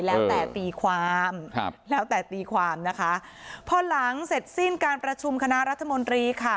แล้วแต่ตีความครับแล้วแต่ตีความนะคะพอหลังเสร็จสิ้นการประชุมคณะรัฐมนตรีค่ะ